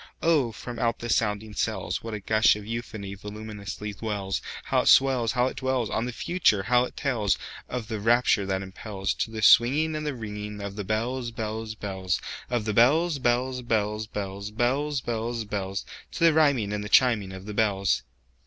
Oh, from out the sounding cells, What a gush of euphony voluminously wells! How it swells! How it dwellsOn the Future! how it tellsOf the rapture that impelsTo the swinging and the ringingOf the bells, bells, bells, Of the bells, bells, bells, bells, Bells, bells, bells—To the rhyming and the chiming of the bells!